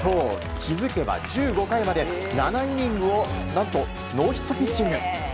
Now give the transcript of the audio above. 気づけば１５回まで７イニングを何とノーヒットピッチング。